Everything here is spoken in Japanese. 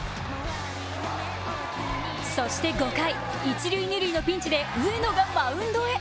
そして５回、一・二塁のピンチで上野がマウンドへ。